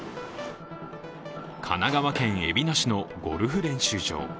神奈川県海老名市のゴルフ練習場。